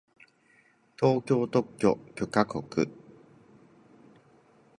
東京特許許可局